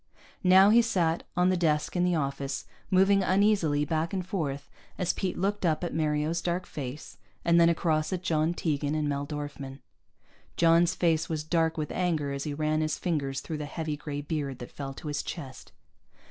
Now he sat on the desk in the office, moving uneasily back and forth as Pete looked up at Mario's dark face, and then across at John Tegan and Mel Dorfman. John's face was dark with anger as he ran his fingers through the heavy gray beard that fell to his chest.